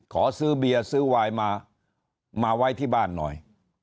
ขอซื้อเบียร์ซื้อวายมามาไว้ที่บ้านหน่อย